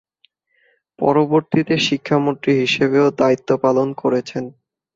পরবর্তীতে শিক্ষামন্ত্রী হিসেবেও দায়িত্ব পালন করেছেন।